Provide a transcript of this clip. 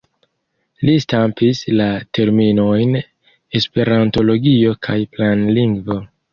Li stampis la terminojn esperantologio kaj planlingvo.